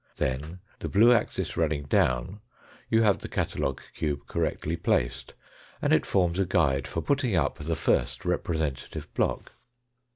Then the blue axis running down you have the catalogue cube correctly placed, and it forms a guide for putting up the first representative block.